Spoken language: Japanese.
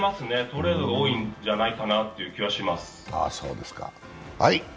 トレード多いんじゃないかという気がします。